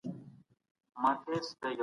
د نجونو لپاره د ښوونځیو شمېر کافي نه و.